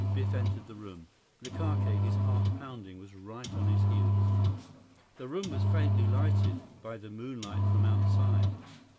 Biff entered the room. Likake, his heart pounding, was right on his heels. The room was faintly lighted by the moonlight from outside.